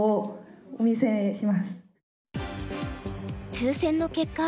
抽選の結果